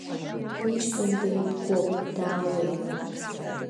Быҷкәын деибгоуп, даауеит!